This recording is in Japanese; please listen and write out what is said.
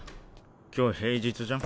今日平日じゃん。